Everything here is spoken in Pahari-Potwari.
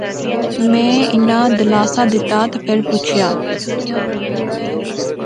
میں انیں دلاسا دتہ تہ فیر پچھیا